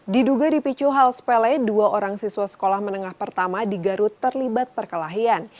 diduga dipicu halspele dua orang siswa sekolah menengah pertama di garut terlibat perkelahian